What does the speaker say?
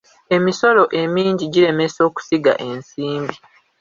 Emisolo emingi giremesa okusiga ensimbi.